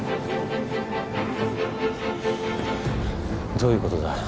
どういうことだ？